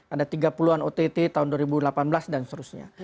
ada tiga puluh an ott tahun dua ribu delapan belas dan seterusnya